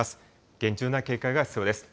厳重な警戒が必要です。